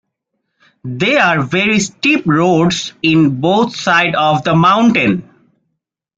There are very steep roads on both sides of the mountain.